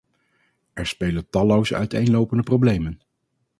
Er spelen talloze uiteenlopende problemen.